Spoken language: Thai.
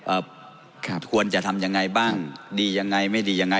ครับควรจะทำยังไงบ้างดียังไงไม่ดียังไง